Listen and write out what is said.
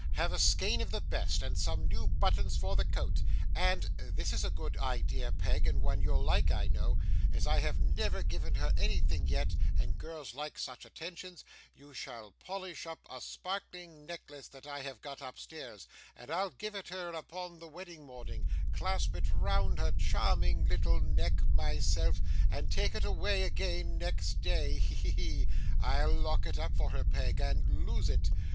Have a skein of the best, and some new buttons for the coat, and this is a good idea, Peg, and one you'll like, I know as I have never given her anything yet, and girls like such attentions, you shall polish up a sparking necklace that I have got upstairs, and I'll give it her upon the wedding morning clasp it round her charming little neck myself and take it away again next day. He, he, he! I'll lock it up for her, Peg, and lose it.